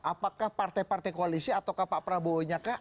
apakah partai partai koalisi atau pak prabowo nya kah